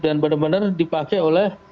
dan benar benar dipakai oleh